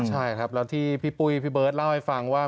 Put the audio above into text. ใช่ครับแล้วที่พี่ปุ้ยพี่เบิร์ตเล่าให้ฟังว่า